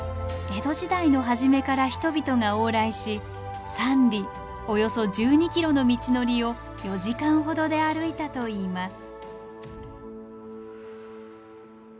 江戸時代の初めから人々が往来し３里およそ１２ｋｍの道のりを４時間ほどで歩いたといいます。